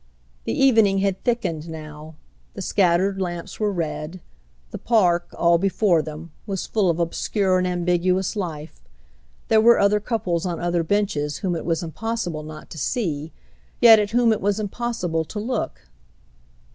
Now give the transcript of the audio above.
The evening had thickened now; the scattered lamps were red; the Park, all before them, was full of obscure and ambiguous life; there were other couples on other benches whom it was impossible not to see, yet at whom it was impossible to look.